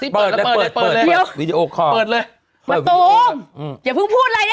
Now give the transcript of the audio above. พูดดีดีพูดดีดีดูอยู่ดูอยู่พูดดีดี